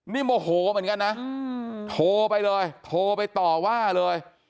นี่โมโหเหมือนกันนะโทรไปเลยโทรไปต่อว่าเลย